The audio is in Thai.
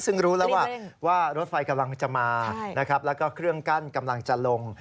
ซึ่งรู้แล้วว่ารถไฟกำลังจะมานะครับแล้วก็เครื่องกั้นกำลังจะลง